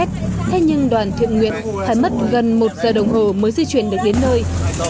thế nhưng đoàn thiện nguyện phải mất gần một giờ đồng hồ mới di chuyển được đến nơi